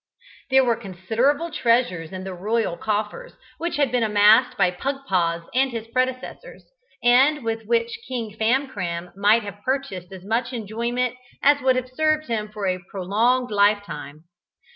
There were considerable treasures in the royal coffers, which had been amassed by Pugpoz and his predecessors, and with which King Famcram might have purchased as much enjoyment as would have served him for a prolonged life time.